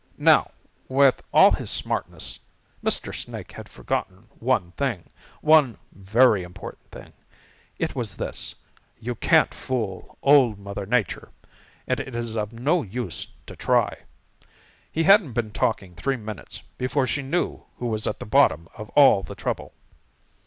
"Now, with all his smartness, Mr. Snake had forgotten one thing, one very important thing. It was this: You can't fool Old Mother Nature, and it is of no use to try. He hadn't been talking three minutes before she knew who was at the bottom of all the trouble.